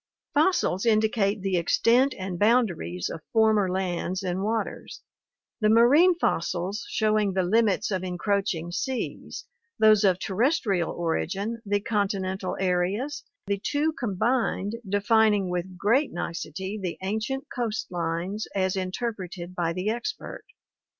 Fossils indicate the extent and boundaries of former lands and waters, the marine fossils showing the limits of encroaching seas, those of terrestrial origin the continental areas, the two combined defining with great nicety the ancient coast lines as interpreted by the expert.